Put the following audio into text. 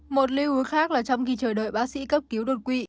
một lưu ý khác là trong khi chờ đợi bác sĩ cấp cứu đột quỵ